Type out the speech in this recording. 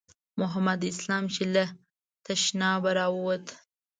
محمد اسلام چې له تشنابه راووت.